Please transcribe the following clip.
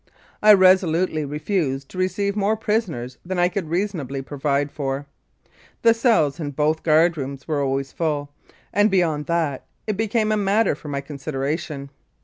I resolutely refused to receive more prisoners than I could reasonably provide for. The cells in both guard rooms were always full, and, beyond that, it became a matter for my consideration.